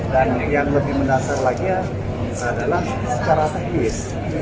dan yang lebih mendasar lagi adalah secara teknis